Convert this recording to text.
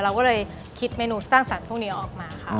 เราก็เลยคิดเมนูสร้างสรรค์พวกนี้ออกมาค่ะ